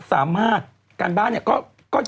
สามารถการบ้านเนี่ย